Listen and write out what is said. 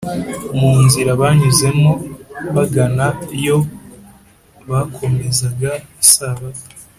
mu nzira banyuzemo bagana yo, bakomezaga isabato